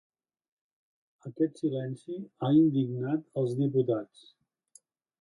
Aquest silenci ha indignat els diputats.